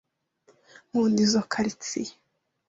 Nkunda izoi quartiers.